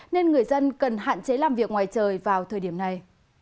nên người dân cần hạn chế làm việc ngoài trời vào thời điểm này